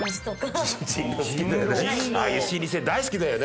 ああいう心理戦大好きだよね。